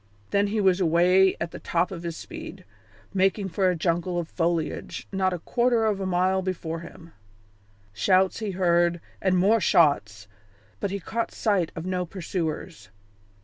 Then he was away at the top of his speed, making for a jungle of foliage not a quarter of a mile before him. Shouts he heard, and more shots, but he caught sight of no pursuers.